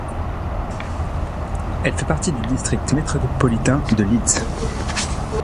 Elle fait partie du district métropolitain de Leeds.